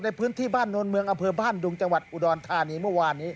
ในพื้นที่บ้านโนนเมืองอำเภอบ้านดุงจังหวัดอุดรธานีเมื่อวานนี้